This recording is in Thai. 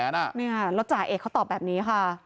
แล้วจ่าเอกเขาตอบแบบนี้ค่ะ